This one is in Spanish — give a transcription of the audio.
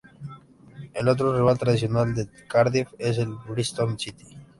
El otro rival tradicional del Cardiff es el Bristol City.